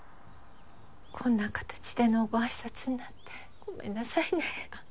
こんな形でのご挨拶になってごめんなさいねあっ